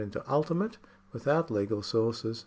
(Ultimate — without legal sources.